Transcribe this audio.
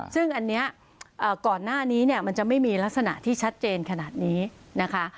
ซึ่งอันนี้ก่อนหน้านี้เนี่ยมันจะไม่มีลักษณะที่ชัดเจนขนาดนี้นะคะ